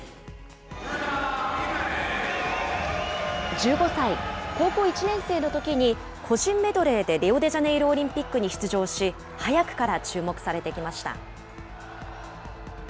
１５歳、高校１年生のときに個人メドレーでリオデジャネイロオリンピックに出場し、早くから注目されてきました。